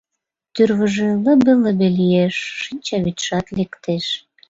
Тӱрвыжӧ лыбе-лыбе лиеш, шинчавӱдшат лектеш.